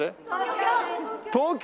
東京？